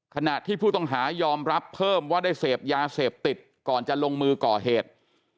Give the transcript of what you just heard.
ขณะที่ผู้ต้องหายอมรับเพิ่มว่าได้เสพยาเสพติดก่อนจะลงมือก่อเหตุ